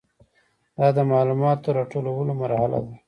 دا د معلوماتو د راټولولو مرحله ده.